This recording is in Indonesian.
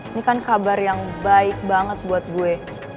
ini kan kabar yang baik banget buat gue